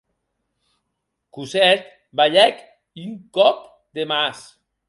Cosette balhèc un còp de mans.